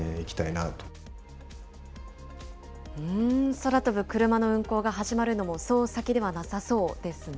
空飛ぶクルマの運航が始まるのもそう先ではなさそうですね。